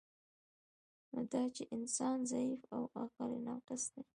نو دا چی انسان ضعیف او عقل یی ناقص دی